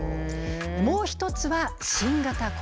もう一つは新型コロナ。